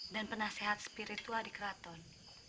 dan penasehat spiritual di keraton